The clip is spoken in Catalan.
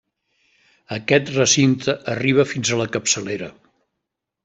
Aquest recinte arriba fins a la capçalera.